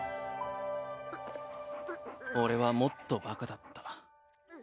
俺はもっとバカだった。